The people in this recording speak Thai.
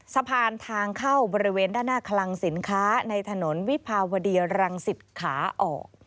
สะพานทางเข้าบริเวณด้านหน้าคลังสินค้าในถนนวิภาวดีรังสิตขาออก